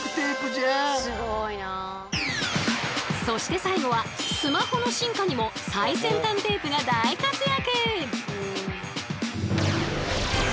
そして最後はスマホの進化にも最先端テープが大活躍！